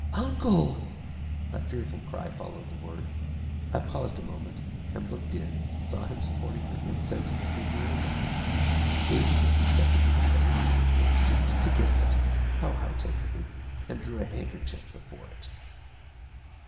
'Uncle!' A fearful cry followed the word. I paused a moment, and looking in, saw him supporting her insensible figure in his arms. He gazed for a few seconds in the face; then stooped to kiss it oh, how tenderly! and drew a handkerchief before it.